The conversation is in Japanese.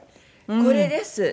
これです！